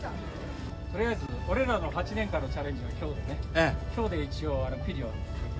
とりあえず俺らの８年間のチャレンジはきょうで一応ピリオド。